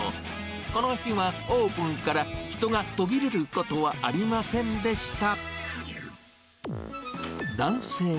この日は、オープンから人が途切れることはありませんでした。